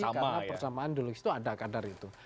karena persamaan ideologis itu ada kadar itu